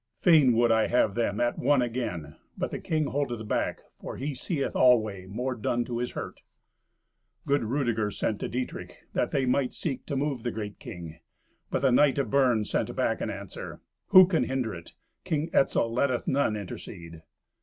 Fain would I have them at one again, but the king holdeth back, for he seeth always more done to his hurt." Good Rudeger sent to Dietrich, that they might seek to move the great king. But the knight of Bern sent back answer, "Who can hinder it? King Etzel letteth none intercede."